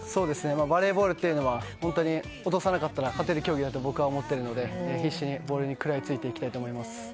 バレーボールというのは本当に落とさなかったら勝てる競技だと僕は思っているので必死にボールに食らいついていきたいと思っています。